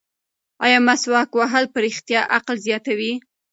ایا مسواک وهل په رښتیا عقل زیاتوي؟